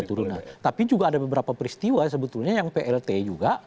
turunan tapi juga ada beberapa peristiwa sebetulnya yang plt juga